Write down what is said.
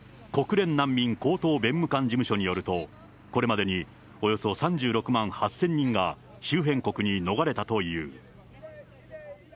ＵＮＨＣＲ・国連難民高等弁務官事務所によると、これまでにおよそ３６万８０００人が、周辺国に逃れたという。